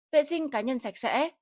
vệ sinh cá nhân sạch sẽ